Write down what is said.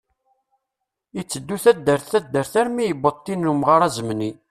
Iteddu taddart taddart armi yewweḍ tin n umɣar azemni.